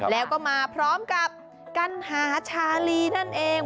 แล้วก็มาพร้อมกับกัณหาชาลีนั่นเอง